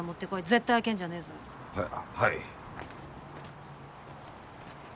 絶対開けんじゃねぇぞ。ははい。